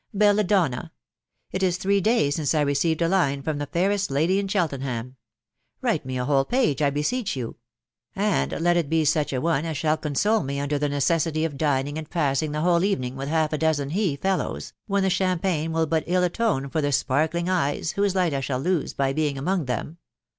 Bella Donna !" It is three days since I have received a line from toe fairest lady in Cheltenham J Write me a whole page, I be seech you, .... and let it be such a one as shall console me under the necessity of dining and passing the whole evening with half a dozen he fellows, when the champagne will but ill atone for the sparkling eyes whose light I shall lose by being among them.